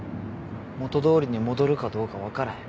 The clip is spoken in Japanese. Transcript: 元通りに戻るかどうか分からへん。